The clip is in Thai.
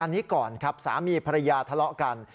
อันนี้ก่อนครับสามีภรรยาทะเลาะกัน